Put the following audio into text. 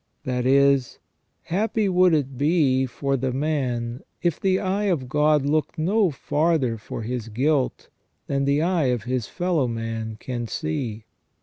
That is, happy would it be for the man if the eye of God looked no farther for his guilt than the eye of his fellow man can see.